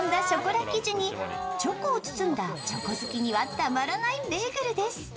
ショコラ生地にチョコを包んだチョコ好きにはたまらないベーグルです。